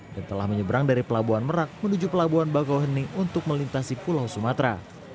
dan telah menyeberang dari pelabuhan merak menuju pelabuhan bakau heni untuk melintasi pulau sumatera